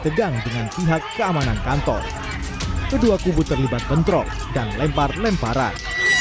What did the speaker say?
tegang dengan pihak keamanan kantor kedua kubu terlibat bentrok dan lempar lemparan